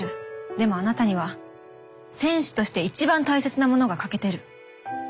でもあなたには選手としていちばん大切なものが欠けてる。